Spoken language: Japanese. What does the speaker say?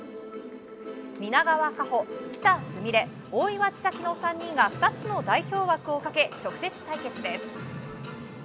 皆川夏穂、喜田純鈴大岩千未来の３人が２つの代表枠をかけ直接対決です。